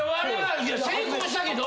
いや成功したけど。